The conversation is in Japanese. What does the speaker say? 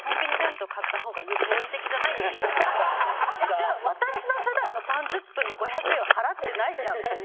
じゃあ私のふだんの３０分の５００円は払ってないじゃんっていう。